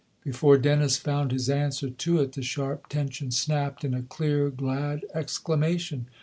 Before Dennis found his answer to it the sharp tension snapped in a clear, glad exclamation.